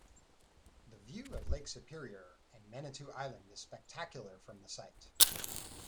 The view of Lake Superior and Manitou Island is spectacular from the site.